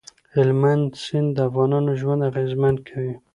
هلمند سیند د افغانانو ژوند اغېزمن کوي.